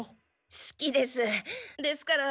好きです！ですから。